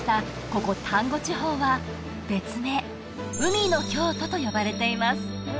ここ丹後地方は別名「海の京都」と呼ばれています